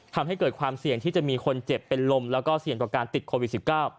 ทำให้เกิดความเสี่ยงที่จะมีคนเจ็บเป็นลมแล้วก็เสี่ยงต่อการติดโควิด๑๙